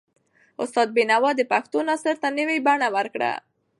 استاد بینوا د پښتو نثر ته نوي بڼه ورکړه.